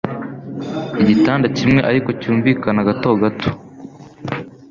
Igitanda kimwe ariko cyunvikana gato gato